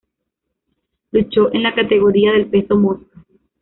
Luchó en la categoría del peso mosca.